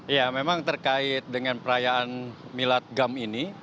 ya memang terkait dengan perayaan milad gam ini